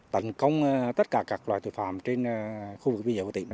tấn công tất cả các loại tội phạm trên khu vực biên giới của tỉnh